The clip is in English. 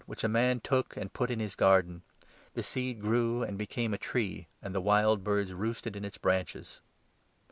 which a man took and put in his garden. The seed grew and became a tree, and ' the wild birds roosted in its branches.'